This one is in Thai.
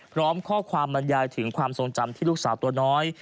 พร้อมข้อความบรรยายถึงความทรงจำที่ลูกสาวตัวน้อย